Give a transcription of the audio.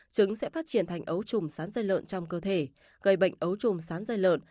trứng sẽ phát triển thành ấu trùng sán dây lợn trong cơ thể gây bệnh ấu trùm sán dây lợn